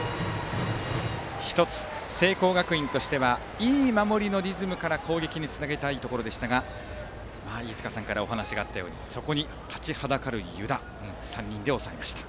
１つ聖光学院としてはいい守りのリズムから攻撃につなげたいところでしたが飯塚さんからお話があったようにそこに立ちはだかる湯田が３人で抑えました。